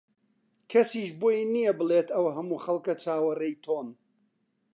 کەسیش بۆی نییە بڵێت ئەو هەموو خەڵکە چاوەڕێی تۆن